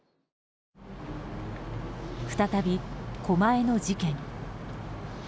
再び、狛江の事件。